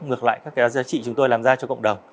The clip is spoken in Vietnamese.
ngược lại các cái giá trị chúng tôi làm ra cho cộng đồng